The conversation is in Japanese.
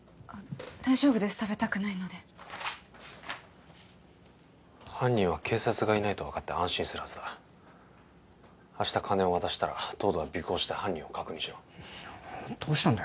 大丈夫です食べたくないので犯人は警察がいないと分かって安心するはずだ明日金を渡したら東堂は尾行して犯人を確認しろどうしたんだよ